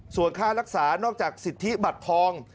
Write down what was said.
ส่วนค่ารักษานอกจากสิทธิบัตรทอง